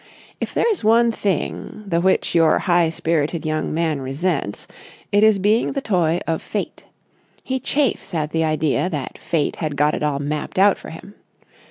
If there is one thing the which your high spirited young man resents, it is being the toy of Fate. He chafes at the idea that Fate had got it all mapped out for him.